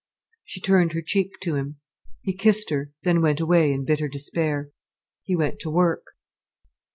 She turned her cheek to him. He kissed her, then went away, in bitter despair. He went to work.